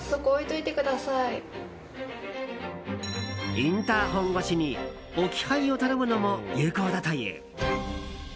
インターホン越しに置き配を頼むのも有効だという。